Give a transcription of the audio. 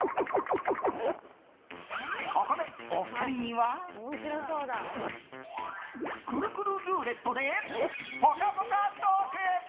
ここでお二人にはくるくるルーレットでぽかぽかトーク！